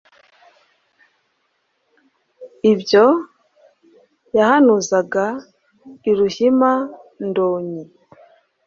Ibyo yahanuzaga i Ruhima-ndonyi.